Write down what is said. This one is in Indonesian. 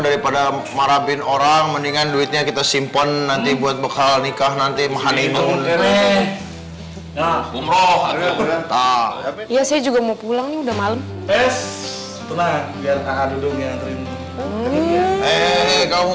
ragian ini udah malem